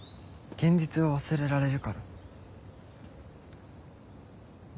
「現実を忘れられる」？